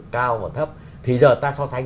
cao và thấp thì giờ ta so sánh